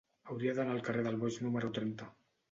Hauria d'anar al carrer del Boix número trenta.